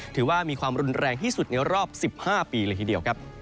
ถือว่ามีความรุนแรงที่สุดในรอบ๑๕ปีเลยทีเดียวครับ